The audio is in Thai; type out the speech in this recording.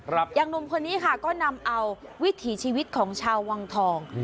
อย่างหนุ่มคนนี้ค่ะก็นำเอาวิถีชีวิตของชาววังทอง